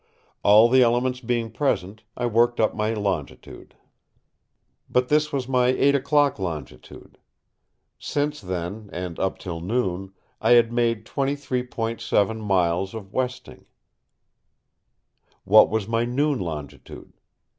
All the elements being present, I worked up my longitude. But this was my eight o'clock longitude. Since then, and up till noon, I had made 23.7 miles of westing. What was my noon longitude?